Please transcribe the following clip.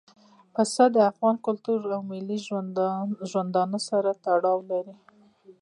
پسه د افغان کلتور او ملي ژوند سره تړاو لري.